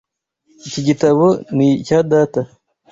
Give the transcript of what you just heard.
Iki gitabo ni icya data.